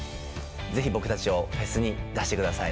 ぜひ僕たちをフェスに出してください。